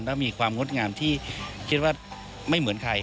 แล้วมีความงดงามที่คิดว่าไม่เหมือนใคร